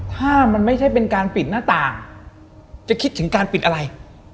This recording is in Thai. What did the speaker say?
ถ้ามันไม่ใช่เป็นการปิดหน้าต่างจะคิดถึงการปิดอะไร